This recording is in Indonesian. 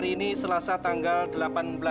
ini setelah masing masing itu